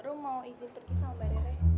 rum mau izin pergi sama mbak rere